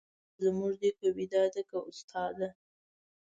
ټوله زموږ دي که ویدا که اوستا ده